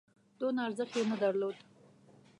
دونه ارزښت یې نه درلود.